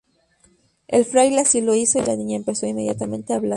El fraile así lo hizo, y la niña empezó inmediatamente a hablar.